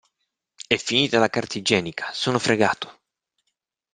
È finita la carta igienica, sono fregato!